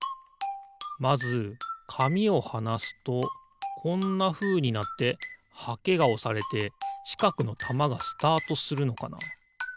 まずかみをはなすとこんなふうになってはけがおされてちかくのたまがスタートするのかな？